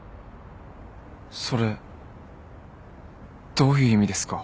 それどういう意味ですか？